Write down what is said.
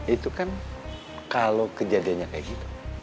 itu kan kalau kejadiannya kayak gitu